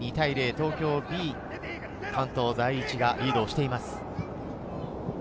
東京Ｂ・関東第一がリードしています。